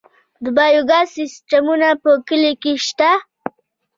د بایو ګاز سیستمونه په کلیو کې شته؟